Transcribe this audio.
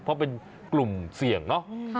เพราะเป็นกลุ่มเสี่ยงเนอะ